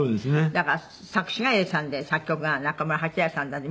だから作詞が永さんで作曲が中村八大さんなんで。